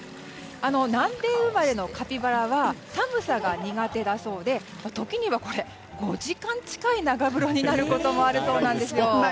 南米生まれのカピバラは寒さが苦手だそうで時には５時間近い長風呂になることもあるそうです。